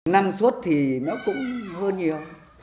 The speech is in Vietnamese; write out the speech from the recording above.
năng suất thì nó cũng hơn nhiều